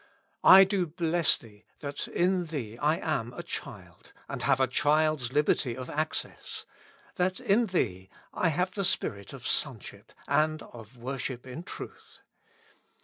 I do bless Thee that in Thee I am a child, and have a child's liberty of access ; that in Thee I have the spirit of Sonship and of worship in truth.